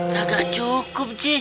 kagak cukup ci